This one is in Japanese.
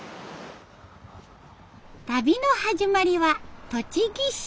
旅の始まりは栃木市。